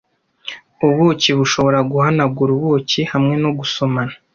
ubuki bushobora guhanagura ubuki hamwe no gusomana